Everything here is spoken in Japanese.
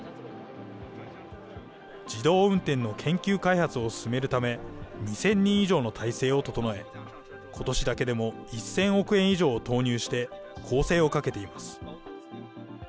自動運転の研究開発を進めるため、２０００人以上の体制を整え、ことしだけでも１０００億円以上投入して、攻勢をかけています。